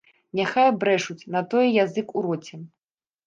Няхай брэшуць, на тое язык у роце.